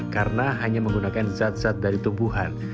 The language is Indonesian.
karena hanya menggunakan zat zat dari tumbuhan